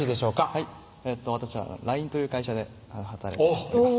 はい私はＬＩＮＥという会社で働いております